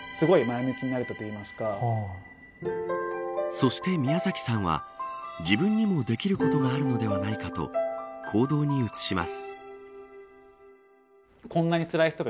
そして宮崎さんは自分にもできることがあるのではないかと行動に移します。